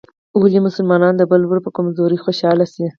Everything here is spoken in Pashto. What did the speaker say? ولي مسلمان د بل ورور په کمزورۍ خوشحاله سي؟